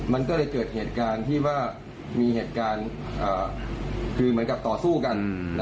มันก็เลยเกิดเหตุการณ์ที่ว่ามีเหตุการณ์คือเหมือนกับต่อสู้กัน